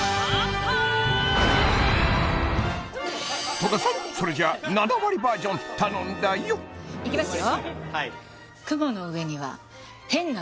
戸田さんそれじゃあ７割バージョン頼んだよいきますよ